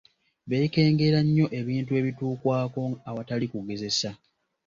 Beekengera nnyo ebintu ebituukwako awatali kugezesa.